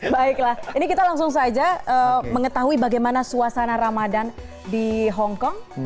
baiklah ini kita langsung saja mengetahui bagaimana suasana ramadan di hongkong